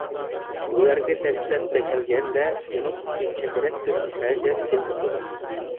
بۇ يەرگە دەسلەپتە كەلگەندە جەنۇبتىكى چەترەك بىر شەھەردە تىل ئوقۇدۇق.